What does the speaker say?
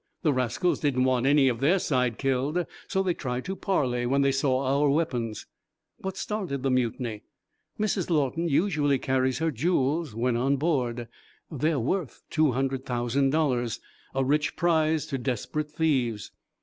The rascals didn't want any of their side killed, so they tried to parley when they saw our weapons." "What started the mutiny?" "Mrs Lawton usually carries her jewels, when on board. They are worth two hundred thousand dollars a rich prize to desperate thieves."